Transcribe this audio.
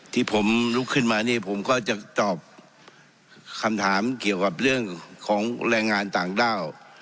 ที่ผมลุกขึ้นมานี่ผมก็จะตอบคำถามเกี่ยวกับเรื่องของแรงงานต่างด้าว